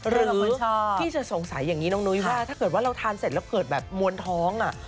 พี่จะสงสัยอย่างนี้น้องนุ้ยว่าถ้าเกิดว่าเราทานเสร็จแล้วเกิดแบบมวลท้องอ่ะ